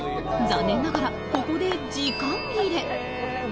残念ながら、ここで時間切れ。